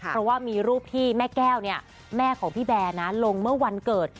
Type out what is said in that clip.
เพราะว่ามีรูปที่แม่แก้วเนี่ยแม่ของพี่แบร์นะลงเมื่อวันเกิด